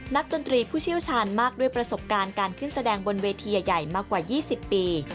ดนตรีผู้เชี่ยวชาญมากด้วยประสบการณ์การขึ้นแสดงบนเวทีใหญ่มากกว่า๒๐ปี